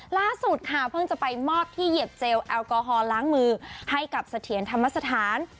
ล่าสุดค่ะเพิ่งจะไปมอบที่เหยียบเจลแอลกอฮอลล้างมือให้กับเสถียรธรรมสถาน